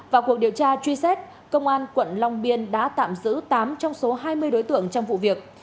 vào cuộc điều tra truy xét công an quận long biên đã tạm giữ tám trong số hai mươi đối tượng trong vụ việc